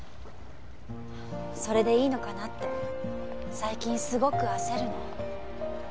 それでいいのかなって最近すごく焦るの。